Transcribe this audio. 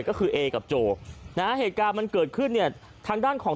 ก็คือเอกับโจนะฮะเหตุการณ์มันเกิดขึ้นเนี่ยทางด้านของ